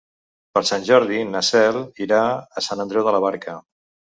Per Sant Jordi na Cel irà a Sant Andreu de la Barca.